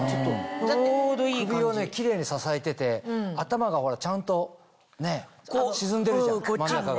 首をキレイに支えてて頭がほらちゃんと沈んでるじゃん真ん中が。